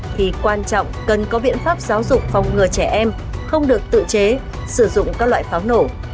thì quan trọng cần có biện pháp giáo dục phòng ngừa trẻ em không được tự chế sử dụng các loại pháo nổ